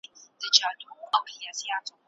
ستا د زلفو خوشبويي وه